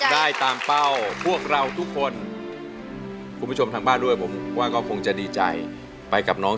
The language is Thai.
ได้ตามเป้าพวกเราทุกคนคุณผู้ชมทางบ้านด้วยผมว่าก็คงจะดีใจไปกับน้อง